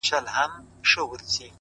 ته نو اوس راسه- له دوو زړونو تار باسه-